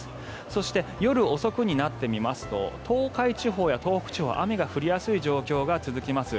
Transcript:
そして、夜遅くになってみますと東海地方や東北地方は雨が降りやすい状況が続きます。